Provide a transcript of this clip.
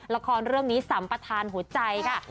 ละครเรื่องนี้สัมปทานหัวใจค่ะ